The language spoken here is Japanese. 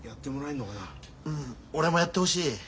うん俺もやってほしい。